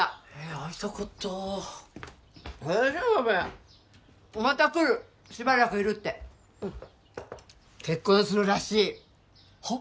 大丈夫また来るしばらくいるってうん結婚するらしいはっ？